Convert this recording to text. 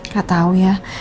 gak tahu ya